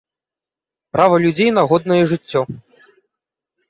Права людзей на годнае жыццё.